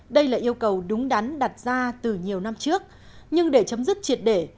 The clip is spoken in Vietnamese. đây là yêu cầu đúng đắn đặt ra từ nhiều năm trước nhưng để chấm dứt triệt để